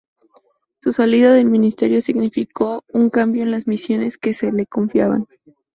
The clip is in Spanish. Su salida del Ministerio significó un cambio en las misiones que se le confiaban.